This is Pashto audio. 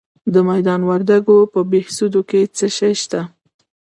د میدان وردګو په بهسودو کې څه شی شته؟